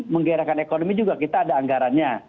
menggerakkan ekonomi juga kita ada anggarannya